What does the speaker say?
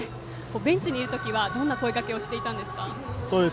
ベンチにいる時はどんな声かけをしていたんですか。